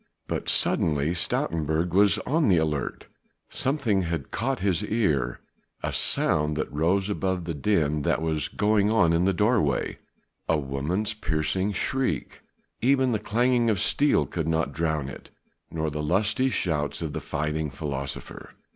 But suddenly Stoutenburg was on the alert: something had caught his ear, a sound that rose above the din that was going on in the doorway ... a woman's piercing shriek. Even the clang of steel could not drown it, nor the lusty shouts of the fighting philosopher.